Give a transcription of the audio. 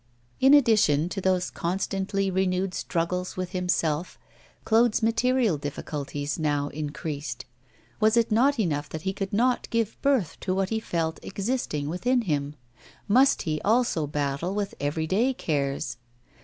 In addition to those constantly renewed struggles with himself, Claude's material difficulties now increased. Was it not enough that he could not give birth to what he felt existing within him? Must he also battle with every day cares?